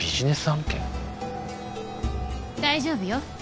大丈夫よ。